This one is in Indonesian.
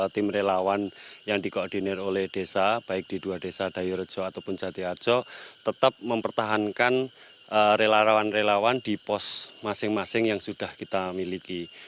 tim relawan yang dikoordinir oleh desa baik di dua desa dayurejo ataupun jati harjo tetap mempertahankan relawan relawan di pos masing masing yang sudah kita miliki